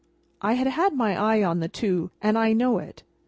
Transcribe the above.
I had had my eye on the two, and I know it.